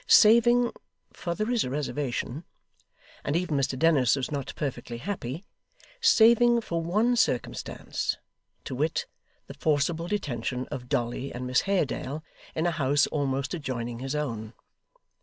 Saving for there is a reservation; and even Mr Dennis was not perfectly happy saving for one circumstance; to wit, the forcible detention of Dolly and Miss Haredale, in a house almost adjoining his own.